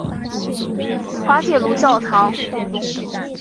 滑铁卢教堂。